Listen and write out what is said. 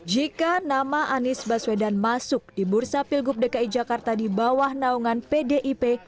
jika nama anies baswedan masuk di bursa pilgub dki jakarta di bawah naungan pdip